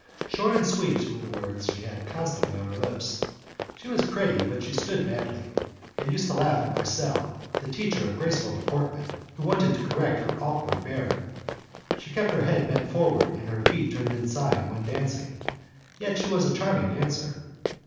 "Short and sweet," were the words she had constantly on her lips. She was pretty but she stood badly, and used to laugh at Marcel, the teacher of graceful deportment, who wanted to correct her awkward bearing. She kept her head bent forward and her feet turned inside when dancing; yet she was a charming dancer.